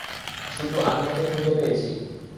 শুটু, আমি ওকে খুঁজে পেয়েছি!